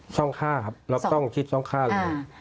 ต้องฆ่าครับเราต้องคิดซ่องฆ่าเลย